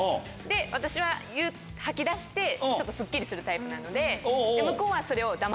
私は吐き出してちょっとスッキリするタイプなので。